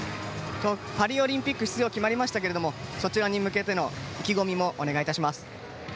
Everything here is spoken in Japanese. パリオリンピック出場が決まりましたがそちらに向けての意気込みもお願いいたします。